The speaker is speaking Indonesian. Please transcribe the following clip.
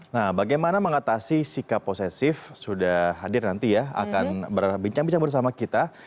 nah bagaimana mengatasi sikap posesif sudah hadir nanti ya akan berbincang bincang bersama kita